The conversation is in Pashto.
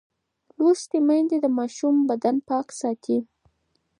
لوستې میندې د ماشوم بدن پاک ساتي.